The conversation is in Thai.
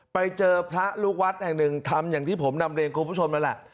ไปเจอพระลูกวัดแห่งหนึ่งทำอย่างที่ผมนำเรียนคุณผู้ชมนั่นแหละ